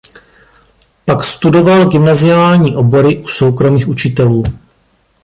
Pak studoval gymnaziální obory u soukromých učitelů.